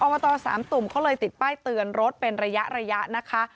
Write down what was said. ตสามตุ่มเขาเลยติดป้ายเตือนรถเป็นระยะนะคะ